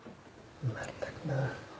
まったくな。